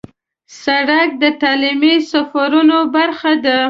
سړک د تعلیمي سفرونو برخه ده.